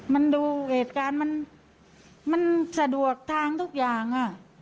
มันดูเหตุการณ์มันสะดวกทางทุกอย่าง